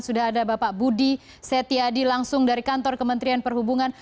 sudah ada bapak budi setiadi langsung dari kantor kementerian perhubungan